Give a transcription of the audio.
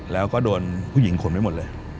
แล้วก็โดนผู้หญิงขนไปหมดเลย